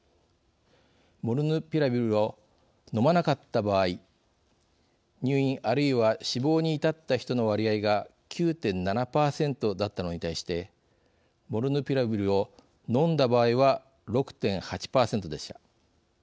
モルヌピラビルを飲まなかった場合、入院あるいは死亡に至った人の割合が９．７％だったのに対してモルヌピラビルを飲んだ場合は６．８％でした。